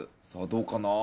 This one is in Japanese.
さあ、どうかな。